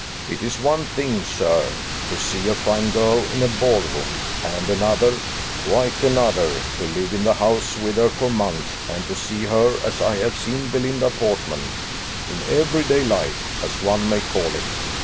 It is one thing, sir, to see a fine girl in a ball room, and another quite another to live in the house with her for months, and to see her, as I have seen Belinda Portman, in every day life, as one may call it.